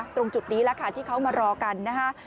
ตรงจุดนี้แหละค่ะที่เขามารอกันนะฮะ